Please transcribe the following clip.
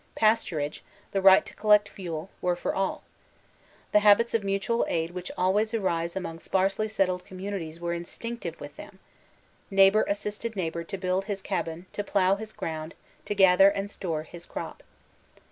Pasturage, the right to collect fuel, were for all. The habits of mutual aid which al ways arise among sparsely settled communities were in stinctive with them. Neighbor assisted neighbor to build his cabin, to plough his ground, to gather and store this crop.